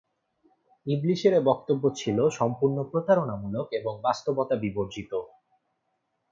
ইবলীসের এ বক্তব্য ছিল সম্পূর্ণ প্রতারণামূলক এবং বাস্তবতা বিবর্জিত।